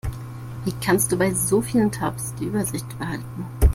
Wie kannst du bei so vielen Tabs die Übersicht behalten?